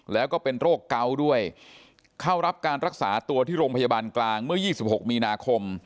แล้วก็เป็นโรคเกาะด้วยเข้ารับการรักษาตัวที่โรงพยาบาลกลางเมื่อ๒๖มีนาคม